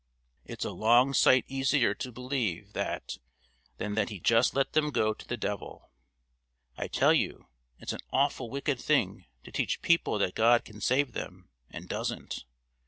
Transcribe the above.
"It's a long sight easier to believe that than that He just let them go to the devil! I tell you it's an awful wicked thing to teach people that God can save them and doesn't.